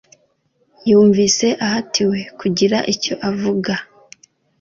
yumvise ahatiwe kugira icyo avuga.